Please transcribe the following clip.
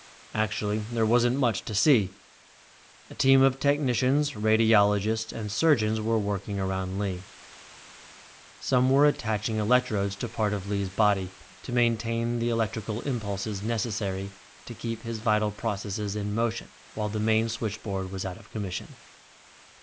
Actually there wasn't much to see. A team of technicians, radiologists and surgeons were working around Lee. Some were attaching electrodes to parts of Lee's body to maintain the electrical impulses necessary to keep his vital processes in motion while the main switchboard was out of commission.